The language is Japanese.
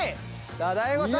さあ大悟さん。